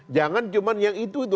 jangan cuma yang itu